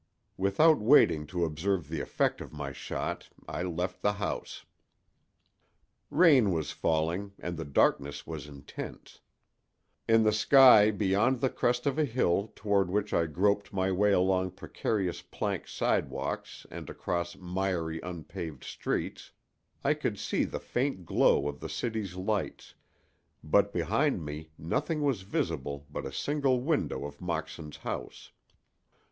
Without waiting to observe the effect of my shot I left the house. Rain was falling, and the darkness was intense. In the sky beyond the crest of a hill toward which I groped my way along precarious plank sidewalks and across miry, unpaved streets I could see the faint glow of the city's lights, but behind me nothing was visible but a single window of Moxon's house.